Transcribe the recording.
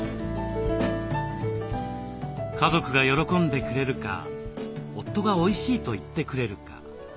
家族が喜んでくれるか夫がおいしいと言ってくれるか。